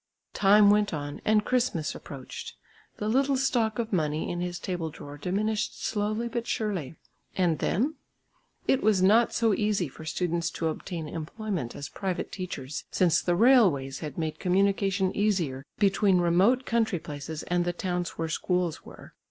Time went on, and Christmas approached. The little stock of money in his table drawer diminished slowly but surely. And then? It was not so easy for students to obtain employment as private teachers since the railways had made communication easier between remote country places and the towns where schools were.